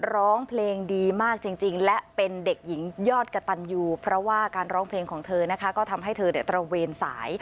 ร้องเพลงดีมากจริงและเป็นเด็กหญิงยอดกะตันยูเพราะว่าการร้องเพลงของเธอนะคะก็ทำให้เธอตระเวนสาย